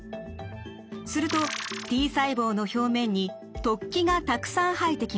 するとＴ細胞の表面に突起がたくさん生えてきます。